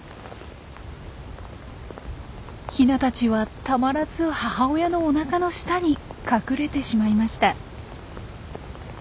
ヒナたちはたまらず母親のおなかの下に隠れてしまいました。